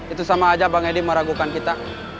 itu sama aja bang edi meragukan kita